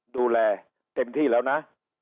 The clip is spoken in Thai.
ดูแลเต็มที่แล้วนะ